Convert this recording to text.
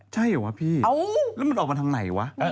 ใช่หรอพี่